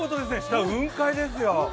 下、雲海ですよ。